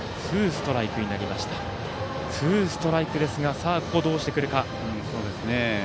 ツーストライクですがどうしてくるか。